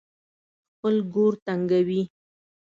خپل ګور تنګوي.